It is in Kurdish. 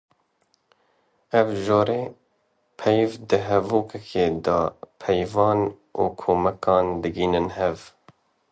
Ev cure peyv di hevokê de peyvan û komekan digihînin hev